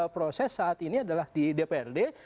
proses saat ini adalah di dprd